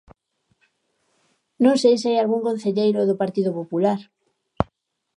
Non sei se hai algún concelleiro do Partido Popular.